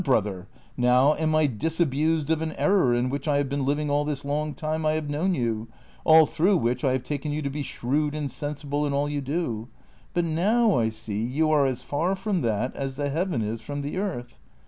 Brother, now am I disabused of an error in which I have been living all this long time I have known you, all through which I have taken you to be shrew^d and sensible in all you do ; but now I see you are as far from that as the heaven is from the earth.